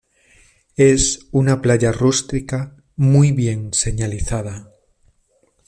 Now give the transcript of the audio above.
Es una playa rústica muy bien señalizada.